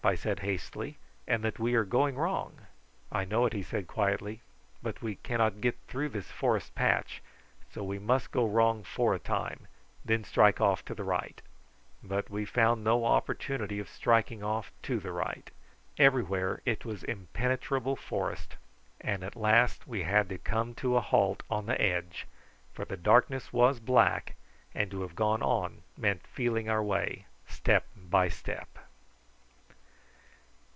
I said hastily; "and that we are going wrong." "I know it," he said quietly; "but we cannot get through this forest patch, so we must go wrong for a time, and then strike off to the right." But we found no opportunity of striking off to the right. Everywhere it was impenetrable forest, and at last we had to come to a halt on the edge, for the darkness was black, and to have gone on meant feeling our way step by step.